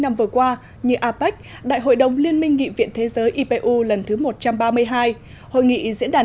năm vừa qua như apec đại hội đồng liên minh nghị viện thế giới ipu lần thứ một trăm ba mươi hai hội nghị diễn đàn